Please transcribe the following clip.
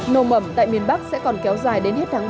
nồ mẩm tại miền bắc sẽ còn kéo dài đến hết tháng ba